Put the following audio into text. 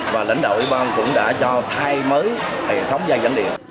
và lãnh đạo ủy ban cũng đã cho thay mới hệ thống dây dẫn điện